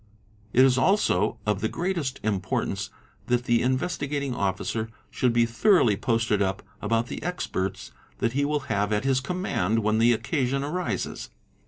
, It is also of the greatest importance that the Investigating Officer should be thoroughly posted up about the experts that he will have at his command when the occasion arises.